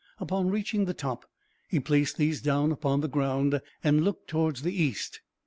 Upon reaching the top he placed these down upon the ground, and looked towards the east.